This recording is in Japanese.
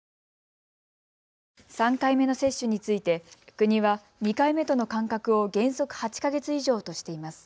３回目の接種について国は２回目との間隔を原則８か月以上としています。